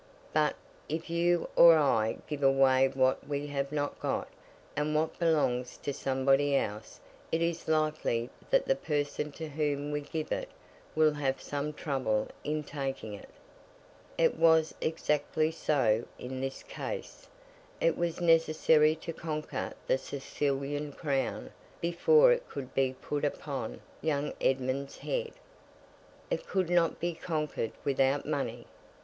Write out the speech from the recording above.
But, if you or I give away what we have not got, and what belongs to somebody else, it is likely that the person to whom we give it, will have some trouble in taking it. It was exactly so in this case. It was necessary to conquer the Sicilian Crown before it could be put upon young Edmund's head. It could not be conquered without money.